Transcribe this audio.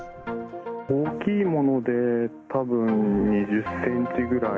大きいものでたぶん２０センチぐらい。